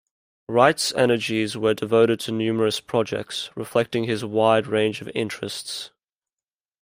Wright's energies were devoted to numerous projects, reflecting his wide range of interests.